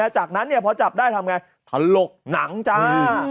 จากนั้นพอจับได้ทำไงถลกหนังจ้า